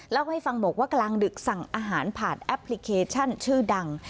เล่าให้ฟังบอกว่ากลางดึกสั่งอาหารผ่านแอปพลิเคชันชื่อดัง